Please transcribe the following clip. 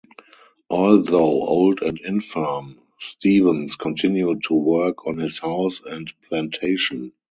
Although old and infirm, Stephens continued to work on his house and plantation.